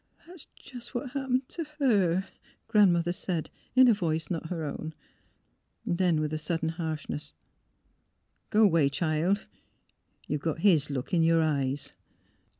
" That's just what happened to her," Grandmother said, in a voice not her own. Then, with sudden harshness: —'* Go away, child; you've got his look in your eyes."